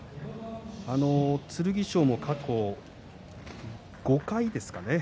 剣翔も過去５回ですか？